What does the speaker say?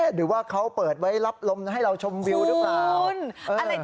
หรือว่าเขาเปิดไว้รับลมให้เราชมวิวหรือเปล่า